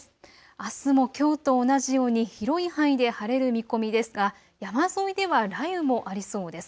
あすもきょうと同じように広い範囲で晴れる見込みですが山沿いでは雷雨もありそうです。